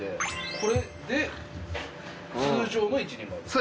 これで通常の一人前ですか？